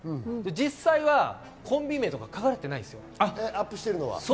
実際にコンビ名とか書かれてないです。